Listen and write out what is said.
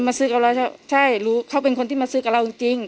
ซื้อกับเราใช่รู้เขาเป็นคนที่มาซื้อกับเราจริง